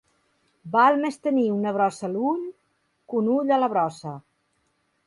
Val més tenir una brossa a l'ull que un ull a la brossa.